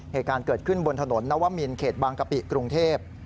เหตุการณ์เกิดขึ้นบนถนนนวมินเขตบางกะปิกรุงเทพ